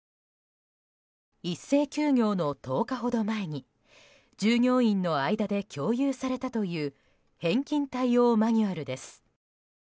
一斉休業の１０日ほど前に従業員の間で共有されたという返金対応マニュアルです。